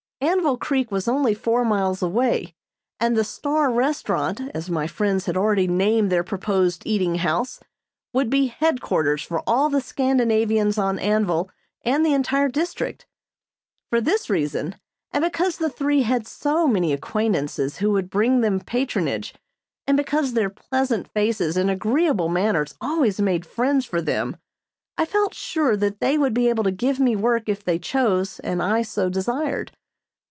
Anvil Creek was only four miles away and the "Star Restaurant," as my friends had already named their proposed eating house, would be headquarters for all the Scandinavians on Anvil and the entire district. For this reason, and because the three had so many acquaintances who would bring them patronage, and because their pleasant faces and agreeable manners always made friends for them, I felt sure that they would be able to give me work if they chose and I so desired.